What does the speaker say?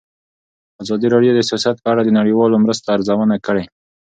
ازادي راډیو د سیاست په اړه د نړیوالو مرستو ارزونه کړې.